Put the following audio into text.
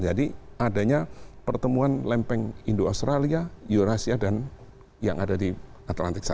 jadi adanya pertemuan lempeng indo australia eurasia dan yang ada di atlantik sana